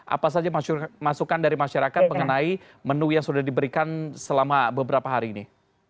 apa saja masukan dari masyarakat mengenai menu yang sudah diberikan selama beberapa hari ini